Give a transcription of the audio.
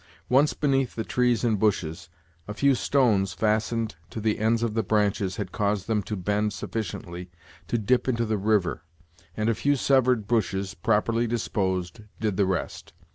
Once beneath the trees and bushes, a few stones fastened to the ends of the branches had caused them to bend sufficiently to dip into the river; and a few severed bushes, properly disposed, did the rest.